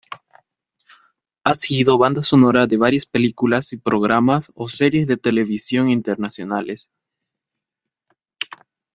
Ha sido banda sonora de varias películas y programas o series de televisión internacionales.